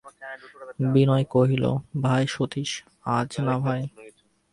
বিনয় কহিল, ভাই সতীশ, আজ না ভাই!